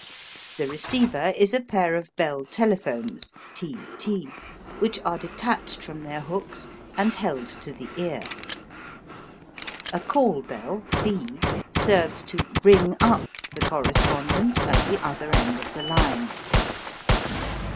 The receiver is a pair of Bell telephones T T, which are detached from their hooks and held to the ear. A call bell B serves to "ring up" the correspondent at the other end of the line.